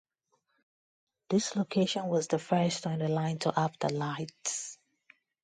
This location was the first on the line to have the lights.